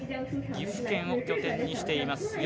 岐阜県を拠点にしています。